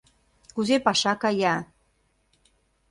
Кузе паша кая?